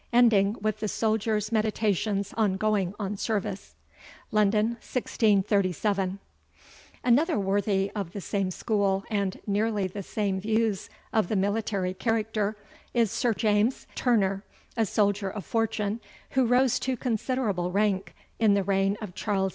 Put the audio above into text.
Ending with the Soldier's Meditations on going on Service." London, 1637. Another worthy of the same school, and nearly the same views of the military character, is Sir James Turner, a soldier of fortune, who rose to considerable rank in the reign of Charles II.